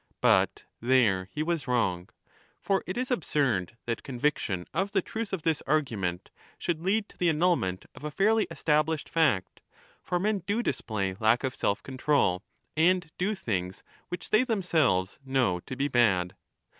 But there he was wrong. For it is absurd that conviction of the truth 30 of this argument should lead to the annulment of a fairly established fact. For men do display lack of self control, and do things which they themselves know to be bad.